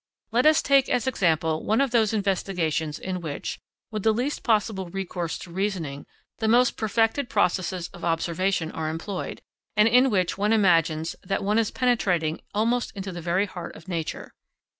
Let us take as example one of those investigations in which, with the least possible recourse to reasoning, the most perfected processes of observation are employed, and in which one imagines that one is penetrating almost into the very heart of nature.